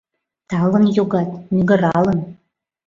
Талын йогат, мӱгыралын.